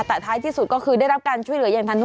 แต่ท้ายที่สุดก็คือได้รับการช่วยเหลืออย่างทันท่